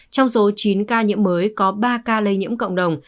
trong số chín ca nhiễm mới có ba ca lây nhiễm cộng đồng